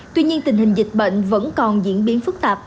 tuy nhiên tình hình dịch bệnh vẫn còn diễn biến phức tạp